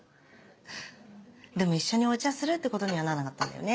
でも一緒にお茶するってことにはなんなかったんだよね。